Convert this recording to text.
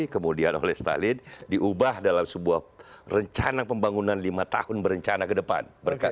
kemudian oleh stalin diubah dalam sebuah rencana pembangunan lima tahun berencana ke depan